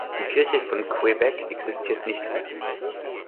Die Kirche von Quebec existiert nicht mehr.